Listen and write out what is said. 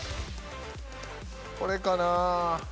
これかな？